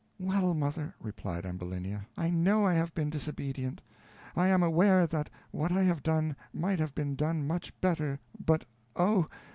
"Well, mother," replied Ambulinia, "I know I have been disobedient; I am aware that what I have done might have been done much better; but oh!